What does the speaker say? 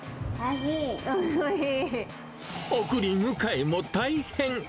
送り迎えも大変。